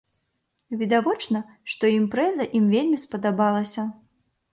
Відавочна, што імпрэза ім вельмі спадабалася.